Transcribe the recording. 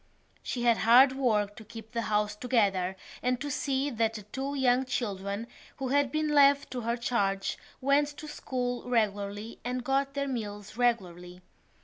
She had hard work to keep the house together and to see that the two young children who had been left to her charge went to school regularly and got their meals regularly.